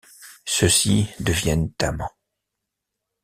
Ceux-ci deviennent amants.